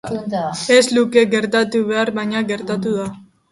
Ez luke gertatu beharko, baina gertatuko da.